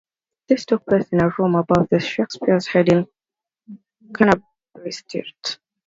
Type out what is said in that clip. This took place in a room above the Shakespeare's Head in Carnaby Street.